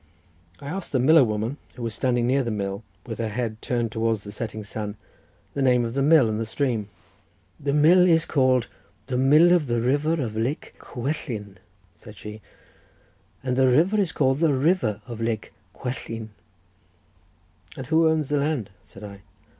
I asked the miller woman, who was standing near the mill, with her head turned towards the setting sun, the name of the mill and the stream. "The mill is called the mill of the river of Lake Cwellyn," said she, "and the river is called the river of Lake Cwellyn." "And who owns the land?" said I.